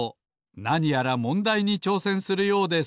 なにやらもんだいにちょうせんするようです